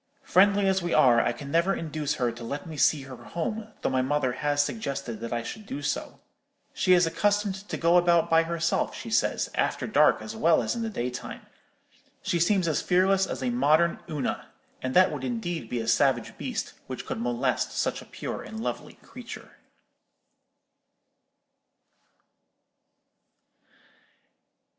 "Friendly as we are, I can never induce her to let me see her home, though my mother has suggested that I should do so. She is accustomed to go about by herself, she says, after dark, as well as in the daytime. She seems as fearless as a modern Una; and that would indeed be a savage beast which could molest such a pure and lovely creature."